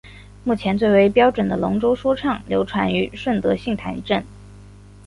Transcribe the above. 目前最为标准的龙舟说唱流传于顺德杏坛镇。